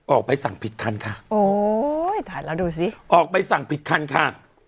ใบสั่งผิดคันค่ะโอ้ยถ่ายแล้วดูสิออกใบสั่งผิดคันค่ะ